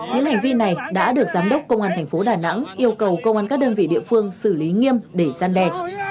những hành vi này đã được giám đốc công an thành phố đà nẵng yêu cầu công an các đơn vị địa phương xử lý nghiêm để gian đe